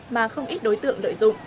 mà không ít đối tượng đợi dụng